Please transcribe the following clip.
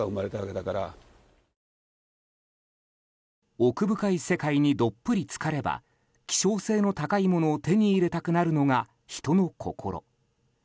奥深い世界にどっぷり浸かれば希少性の高いものを手に入れたくなるのが人の心。